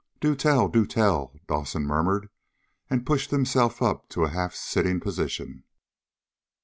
"Do tell, do tell!" Dawson murmured, and pushed himself up to a half sitting position.